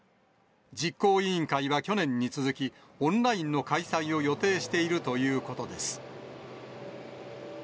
実行委員会は去年に続き、オンラインの開催を予定しているということです。